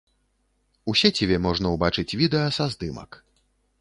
У сеціве можна ўбачыць відэа са здымак.